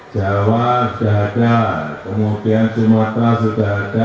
jawa sudah ada kemudian sumatera sudah ada